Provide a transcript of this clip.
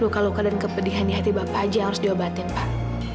luka luka dan kepedihan di hati bapak aja yang harus diobatin pak